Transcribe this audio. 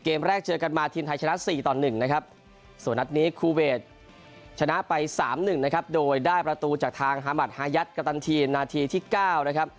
เกมแรกเจอกันมาทีมไทยชนะ๔ต่อ๑ส่วนนัดนี้คูเวทชนะไป๓๑โดยได้ประตูจากทางฮามัดฮายัดกะตันทีนาทีที่๙